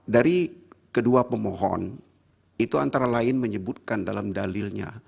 dari kedua pemohon itu antara lain menyebutkan dalam dalilnya